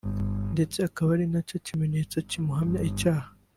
ndetse ko ari nacyo kimenyetso kimuhamya icyaha